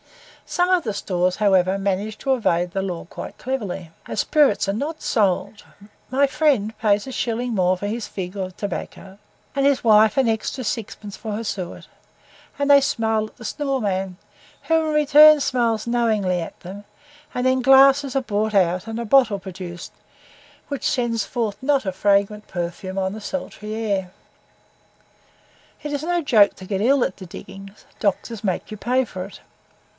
Some of the stores, however, manage to evade the law rather cleverly as spirits are not SOLD, "my friend" pays a shilling more for his fig of tobacco, and his wife an extra sixpence for her suet; and they smile at the store man, who in return smiles knowingly at them, and then glasses are brought out, and a bottle produced, which sends forth NOT a fragrant perfume on the sultry air. It is no joke to get ill at the diggings; doctors make you pay for it.